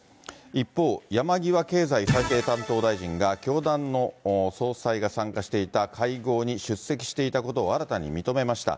一方、山際経済再生担当大臣が、教団の総裁が参加していた会合に出席していたことを新たに認めました。